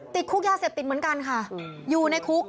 ติดคุกยาเสพติดเหมือนกันค่ะอยู่ในคุก